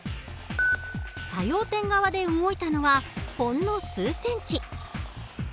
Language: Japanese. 作用点側で動いたのはほんの数センチ。